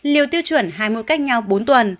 liều tiêu chuẩn hai mươi cách nhau bốn tuần